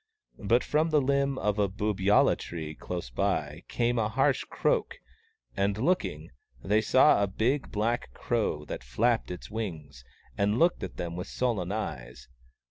But from the limb of a boobyalla tree close by came a harsh croak and, looking, they saw a big black crow that flapped its wings, and looked at them with sullen eyes.